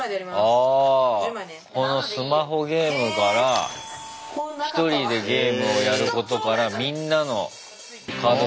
ああこのスマホゲームから１人でゲームをやることからみんなのカードゲームになってる。